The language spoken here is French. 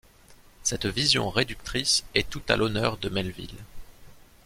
Cette vision réductrice est toute à l'honneur de Melville.